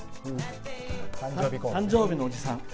誕生日のおじさん。